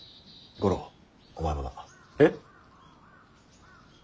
五郎お前もだ。えっ？